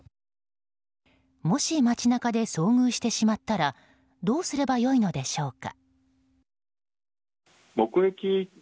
もし、街中で遭遇してしまったらどうすれば良いのでしょうか。